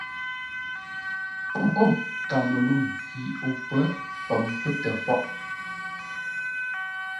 O kaməluŋ yi o pə̌ fəm pətə́ pôghʼ.